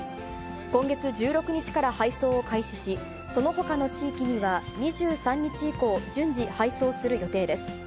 今月１６日から配送を開始し、そのほかの地域には２３日以降、順次配送する予定です。